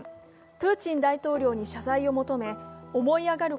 プーチン大統領に謝罪を求め、思い上がる